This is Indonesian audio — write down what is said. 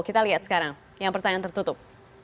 kita lihat sekarang yang pertanyaan tertutup